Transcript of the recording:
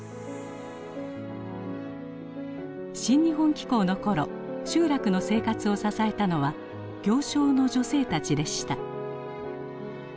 「新日本紀行」の頃集落の生活を支えたのは行商の女性たちでした。